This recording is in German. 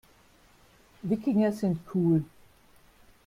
Wikinger sind cool.